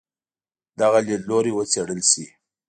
دغه لیدلوری وڅېړل شي.